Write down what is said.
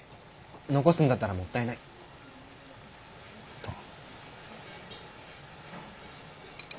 残すんだったらもったいないと。